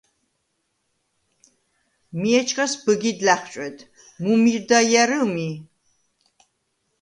მი ეჩქას ბჷგიდ ლა̈ხუ̂ჭუ̂ედ: “მუ მირდა ჲა̈რჷ მი?”